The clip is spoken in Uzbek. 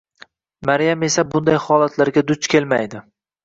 Maryam esa bunday holatlarga duch kelmaydi